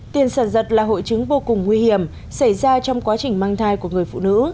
tiền sản giật là hội chứng vô cùng nguy hiểm xảy ra trong quá trình mang thai của người phụ nữ